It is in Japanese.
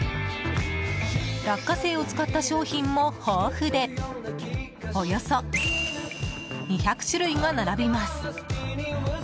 落花生を使った商品も豊富でおよそ２００種類が並びます。